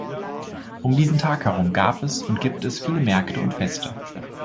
Um diesen Tag herum gab und gibt es viele Märkte und Feste.